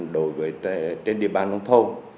đối với địa bàn nông thôn